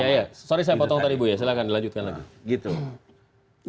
ya ya sorry saya potong tadi bu silahkan dilanjutkan lagi